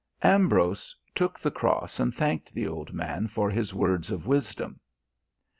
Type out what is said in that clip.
Ambrose took the cross and thanked the old man for his words of wisdom.